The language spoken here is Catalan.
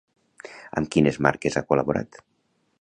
Amb quines marques ha col·laborat?